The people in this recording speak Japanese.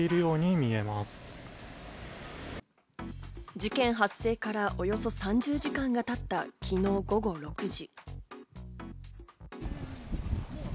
事件発生からおよそ３０時間が経った昨日、午後６時。